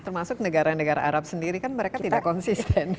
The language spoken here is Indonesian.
termasuk negara negara arab sendiri kan mereka tidak konsisten